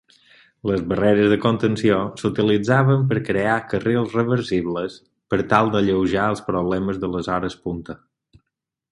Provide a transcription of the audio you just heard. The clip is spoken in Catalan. Les barreres de contenció s'utilitzaven per crear carrils reversibles per tal d'alleujar els problemes de les hores punta.